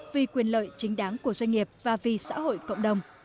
vì quyền lợi chính đáng của doanh nghiệp và vì xã hội cộng đồng